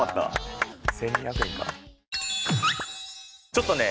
ちょっとね